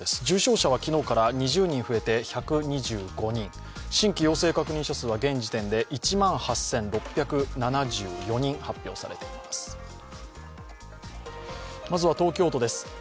重症者は昨日から２０人増えて１２５人新規陽性確認者数は現時点で１万８６７４人発表されています。